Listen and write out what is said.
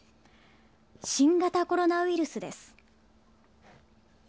新型コロナウイルスです。